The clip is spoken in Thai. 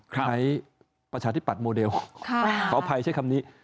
ใช้ประชาธิปัตยโมเดลขออภัยใช้คำนี้